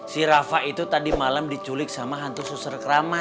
si rafa itu tadi malam diculik sama hantu susar